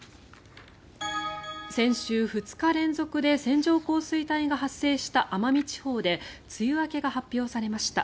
先週、２日連続で線状降水帯が発生した奄美地方で梅雨明けが発表されました。